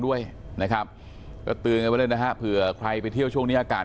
ด้วยนะครับก็เตือนกันไว้เลยนะฮะเผื่อใครไปเที่ยวช่วงนี้อากาศ